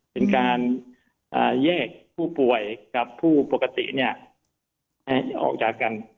เป็นการแยกผู้ป่วยกับผู้ปกติให้ออกจากกัน